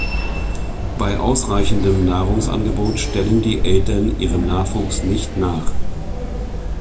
Bei ausreichendem Nahrungsangebot stellen die Eltern ihrem Nachwuchs nicht nach.